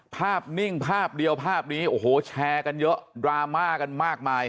นิ่งภาพเดียวภาพนี้โอ้โหแชร์กันเยอะดราม่ากันมากมาย